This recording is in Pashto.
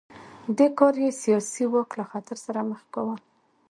دې کار یې سیاسي واک له خطر سره مخ کاوه.